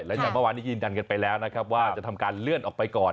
แล้วจากเมื่อวานนี้ยืนยันกันไปแล้วนะครับว่าจะทำการเลื่อนออกไปก่อน